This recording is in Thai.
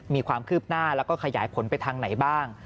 มีความคืบหน้าแล้วก็ขยายผลไปทางไหนบ้าง